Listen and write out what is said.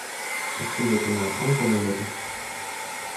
Wy sille it der mar op oankomme litte.